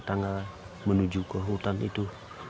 tangan tangan menuju ke hutan itu